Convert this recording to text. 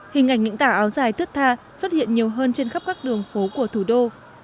hình ảnh những tả áo dài thước tha xuất hiện nhiều hơn trên khắp các đường phố của thủ đô